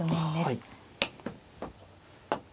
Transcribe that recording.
はい。